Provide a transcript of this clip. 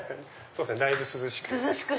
だいぶ涼しく。